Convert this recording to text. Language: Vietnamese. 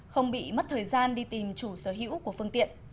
không bị mất thời gian đi tìm chủ sở hữu của phương tiện